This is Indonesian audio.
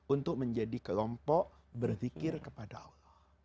untuk menjadi kelompok berzikir kepada allah